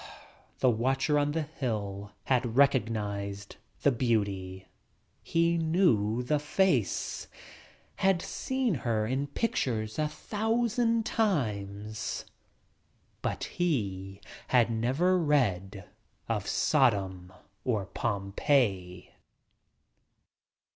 The watcher on the hill had recognized the beauty — he knew the face. Had seen her in pictures a thousand times! But he had never read of Sodom or Pompeii